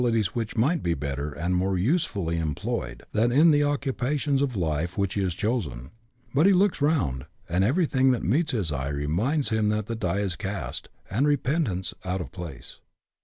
viii. ties which might be better and more usefully employed than in the occupations of the life which he has chosen. But he looks round, and everything that meets his eye reminds him that the die is cast, and repentance out of place.